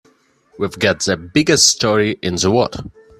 We've got the biggest story in the world.